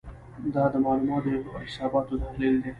دا د معلوماتو او حساباتو تحلیل دی.